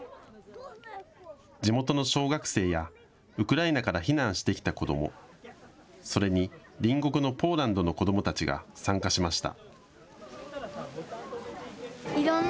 地元の小学生やウクライナから避難してきた子ども、それに隣国のポーランドの子どもたちが参加しました。